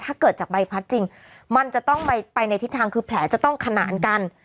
ถ้าเกิดจากใบพัดจริงมันจะต้องไปในทิศทางคือแผลจะต้องขนานกัน